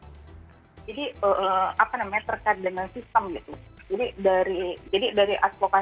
jadi apa namanya terkait dengan sistem gitu